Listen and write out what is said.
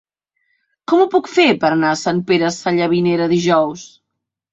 Com ho puc fer per anar a Sant Pere Sallavinera dijous?